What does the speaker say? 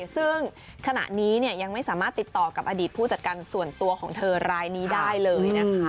ซึ่งขณะนี้ยังไม่สามารถติดต่อกับอดีตผู้จัดการส่วนตัวของเธอรายนี้ได้เลยนะคะ